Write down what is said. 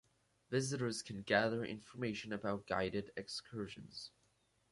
Visitors can gather information about guided excursions.